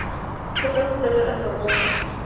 Fue profesor en la Sorbona.